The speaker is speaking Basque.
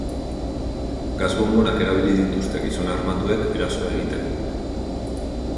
Gas bonbonak erabili dituzte gizon armatuek erasoa egiteko.